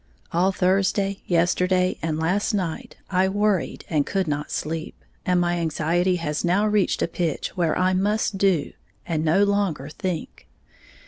_ All Thursday, yesterday and last night, I worried and could not sleep; and my anxiety has now reached a pitch where I must do, and no longer think.